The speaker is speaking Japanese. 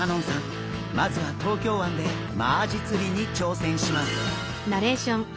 まずは東京湾でマアジ釣りに挑戦します。